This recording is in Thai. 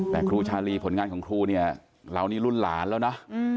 แต่ครูชาลีผลงานของครูเนี่ยเรานี่รุ่นหลานแล้วนะ